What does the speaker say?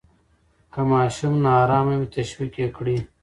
که ماشوم نا آرامه وي، تشویق یې کړئ.